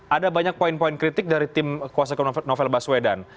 ada banyak poin poin kritik dari tim kuasa novel baswedan